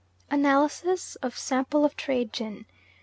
"ANALYSIS OF SAMPLE OF TRADE GIN.